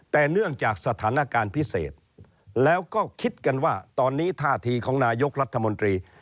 แต่เนื่องจากสถานการณ์พิเศษแล้วก็คิดกันว่าตอนนี้ท่าทีของนายกรัฐมนตรี